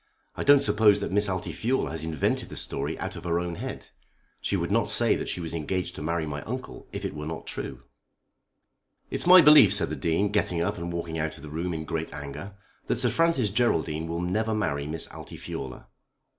I don't suppose that Miss Altifiorla has invented the story out of her own head. She would not say that she was engaged to marry my uncle if it were not true." "It's my belief," said the Dean, getting up and walking out of the room in great anger, "that Sir Francis Geraldine will never marry Miss Altifiorla."